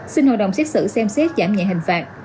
xin hội đồng xét xử xem xét giảm nhẹ hình phạt